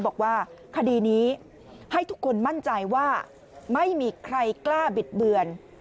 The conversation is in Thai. บอกว่าคดีนี้ให้ทุกคนมั่นใจว่าไม่มีใครกล้าบิดเบือน